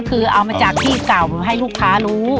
คือเอามาจากที่เก่าให้ลูกค้ารู้